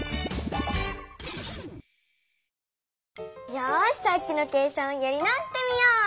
よしさっきの計算をやり直してみよう！